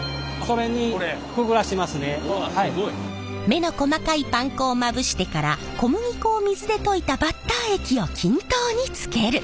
目の細かいパン粉をまぶしてから小麦粉を水で溶いたバッター液を均等につける。